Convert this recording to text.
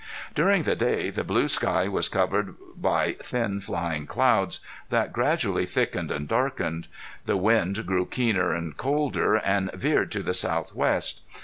During the day the blue sky was covered by thin flying clouds that gradually thickened and darkened. The wind grew keener and colder, and veered to the southwest.